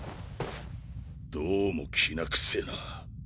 どうもきな臭ぇな。